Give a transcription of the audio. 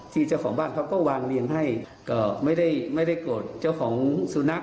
เจ้าของบ้านเขาก็วางเรียงให้ก็ไม่ได้ไม่ได้โกรธเจ้าของสุนัข